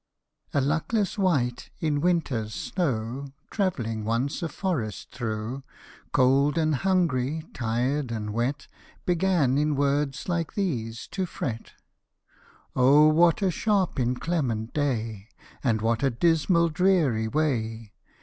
A LUCKLESS wight, in winter snow, Travelling once a forest through, Cold and hungry, tired and wet, Began in words like these to fret : 38 " Oh ! what a sharp, inclement day ! And what a dismal, dreary way